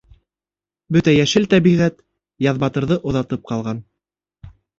Бөтә йәшел тәбиғәт Яҙбатырҙы оҙатып ҡалған.